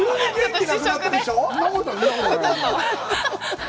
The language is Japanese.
そんなことないよ。